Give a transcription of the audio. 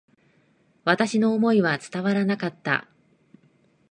私の思いは伝わらなかった。